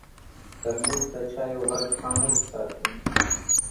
ترموز د چایو غږ خاموش ساتي.